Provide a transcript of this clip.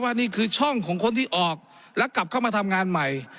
นี่คือช่องของคนที่ออกและกลับเข้ามาทำงานใหม่